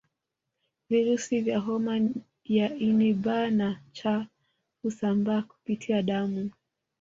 Virusi vya homa ya ini B na C husambaa kupitia damu